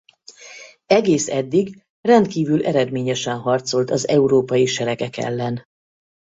Egész eddig rendkívül eredményesen harcolt az európai seregek ellen.